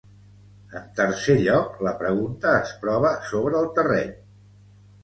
En tercer lloc, la pregunta es prova sobre el terreny.